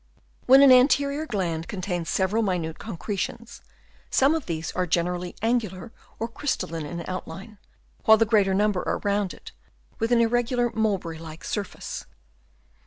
When an anterior gland contains several minute concretions, some of these are generally angular or crystalline in outline, while the greater number are rounded with an irregu lar mulberry like surface.